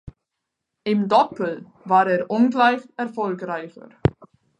Im Doppel war er ungleich erfolgreicher.